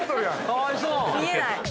◆かわいそう。